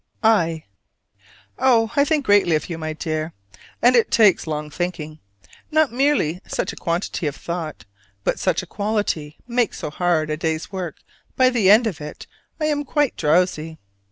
I. Oh, I think greatly of you, my dear; and it takes long thinking. Not merely such a quantity of thought, but such a quality, makes so hard a day's work that by the end of it I am quite drowsy.